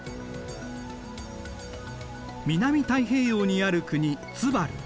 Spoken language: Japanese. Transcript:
南太平洋にある国ツバル。